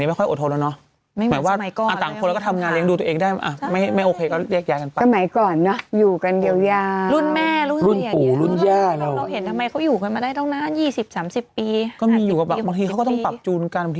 นี่ไปแล้ว๒คู่ใช่มั้ยยังมีอีก๒คู่นึง